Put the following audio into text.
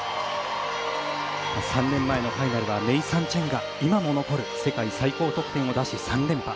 ３年前のファイナルはネイサン・チェンが今も残る世界最高得点を出し３連覇。